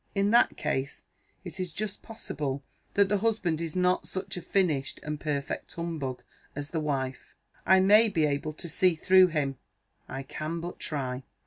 In that case, it is just possible that the husband is not such a finished and perfect humbug as the wife. I may be able to see through him. I can but try."